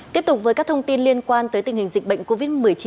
tiếp tục với các thông tin liên quan tới tình hình dịch bệnh covid một mươi chín